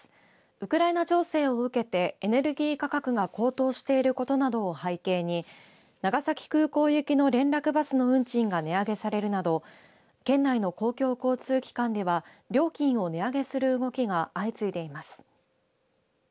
ウクライナ情勢を受けてエネルギー価格が高騰していることなどを背景に長崎空港行きの連絡バスの運賃が値上げされるなど県内の公共交通機関では料金を値上げする動きが相次いでいます。